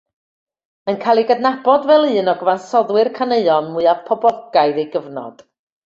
Mae'n cael ei gydnabod fel un o gyfansoddwyr caneuon mwyaf poblogaidd ei gyfnod.